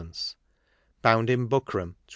Bound in buckram, 123.